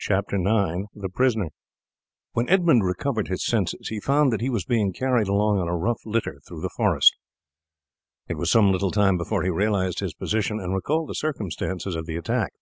CHAPTER IX: A PRISONER When Edmund recovered his senses he found that he was being carried along on a rough litter through the forest. It was some little time before he realized his position and recalled the circumstances of the attack.